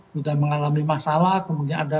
sudah mengalami masalah kemudian ada